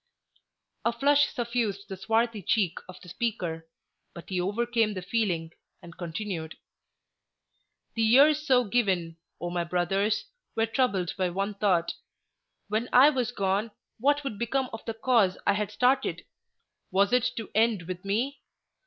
A flush suffused the swarthy cheek of the speaker; but he overcame the feeling, and continued: "The years so given, O my brothers, were troubled by one thought—When I was gone, what would become of the cause I had started? Was it to end with me?